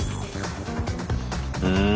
うん。